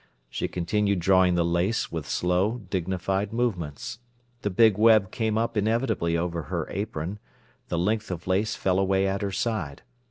She continued drawing the lace with slow, dignified movements. The big web came up inevitably over her apron; the length of lace fell away at her side.